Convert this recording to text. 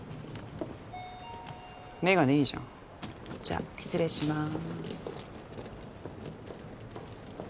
メガネいいじゃんじゃ失礼しまーす